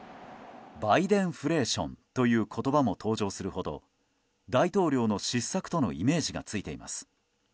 バイデンフレーションという言葉も登場するほど大統領の失策とのイメージがついています。